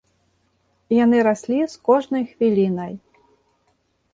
Яны раслі з кожнай хвілінай.